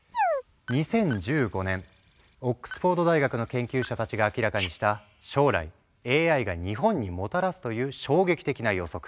２０１５年オックスフォード大学の研究者たちが明らかにした将来ＡＩが日本にもたらすという衝撃的な予測。